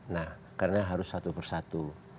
nah karena harus satu persatu